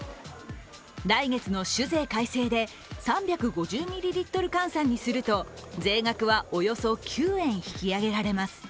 来月の酒税改正で３５０ミリリットル換算にすると税額はおよそ９円引き上げられます。